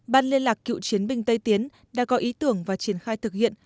ban liên lạc cựu chiến binh tây tiến đã có ý tưởng và triển khai thực hiện